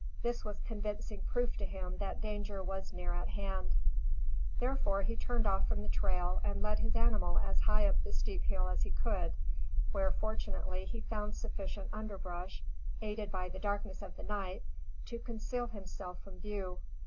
This was convincing proof to him that danger was near at hand; therefore he turned off from the trail and led his animal as high up the steep hill as he could, where, fortunately, he found sufficient under brush, aided by the darkness of the night, to conceal himself from view.